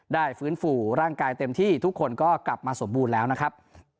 ฟื้นฟูร่างกายเต็มที่ทุกคนก็กลับมาสมบูรณ์แล้วนะครับ